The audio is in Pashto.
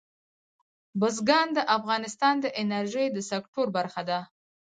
بزګان د افغانستان د انرژۍ د سکتور برخه ده.